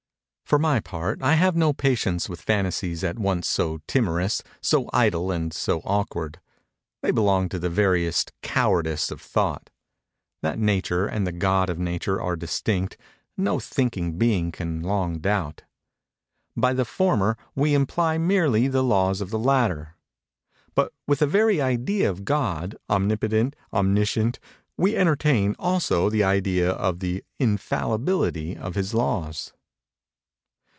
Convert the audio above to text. For my part, I have no patience with fantasies at once so timorous, so idle, and so awkward. They belong to the veriest cowardice of thought. That Nature and the God of Nature are distinct, no thinking being can long doubt. By the former we imply merely the laws of the latter. But with the very idea of God, omnipotent, omniscient, we entertain, also, the idea of the infallibility of his laws.